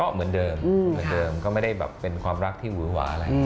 ก็เหมือนเดิมไม่ได้เป็นความรักที่หวือหวาอะไร